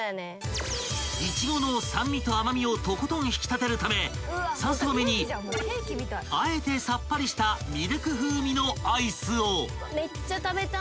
［苺の酸味と甘味をとことん引き立てるため３層目にあえてさっぱりしたミルク風味のアイスを］